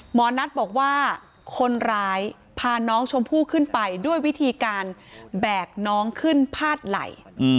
หมอนัทบอกว่าคนร้ายพาน้องชมพู่ขึ้นไปด้วยวิธีการแบกน้องขึ้นพาดไหล่